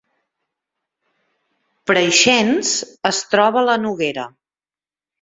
Preixens es troba a la Noguera